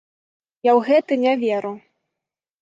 Я ў гэта не веру.